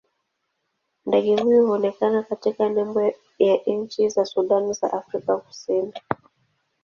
Ndege huyu huonekana katika nembo ya nchi za Sudan na Afrika Kusini.